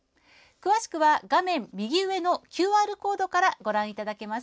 詳しくは、画面右上のＱＲコードからご覧いただけます。